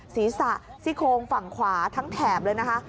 ศีรษะซิโคงฝั่งขวาทั้งแถบเลยนะคะ